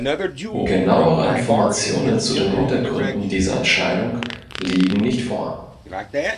Genauere Informationen zu den Hintergründen dieser Entscheidung liegen nicht vor.